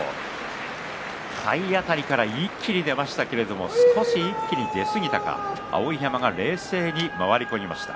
体当たりから一気に出ましたけれど少しに出すぎたか碧山が冷静に回り込みました。